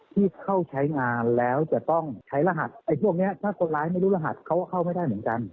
ที่เข้าใช้งานแล้วจะต้องใช้รหัสพวกนี้ถ้าคนร้ายไม่รู้รหัสเขาก็เข้าไม่ได้เหมือนกัน